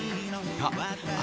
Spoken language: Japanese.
あ